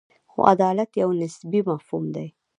خو عدالت یو نسبي مفهوم دی.